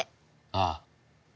ああ。